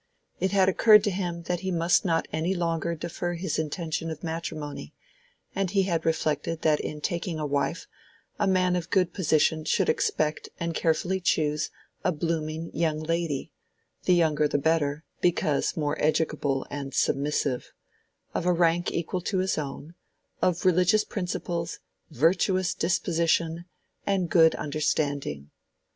It had occurred to him that he must not any longer defer his intention of matrimony, and he had reflected that in taking a wife, a man of good position should expect and carefully choose a blooming young lady—the younger the better, because more educable and submissive—of a rank equal to his own, of religious principles, virtuous disposition, and good understanding.